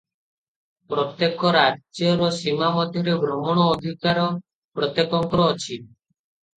ପ୍ରତ୍ୟେକ ରାଜ୍ୟର ସୀମା ମଧ୍ୟରେ ଭ୍ରମଣ ଅଧିକାର ପ୍ରତ୍ୟେକଙ୍କର ଅଛି ।